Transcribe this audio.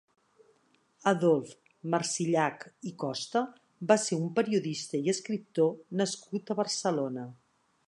Adolf Marsillach i Costa va ser un periodista i escriptor nascut a Barcelona.